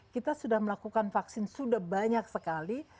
kita sudah melakukan vaksin sudah banyak sekali